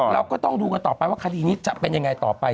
เราก็ต้องดูกันต่อไปว่าคดีนี้จะเป็นยังไงต่อไป